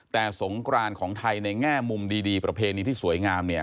แต่สงกรานของไทยในแง่มุมดีประเพณีที่สวยงามเนี่ย